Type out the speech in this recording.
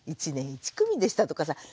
１年１組でした」とかさ